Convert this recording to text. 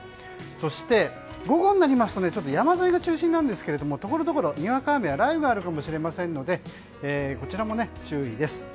そして、午後になりますと山沿いが中心なんですけどところどころ、にわか雨や雷雨があるかもしれませんのでこちらも注意です。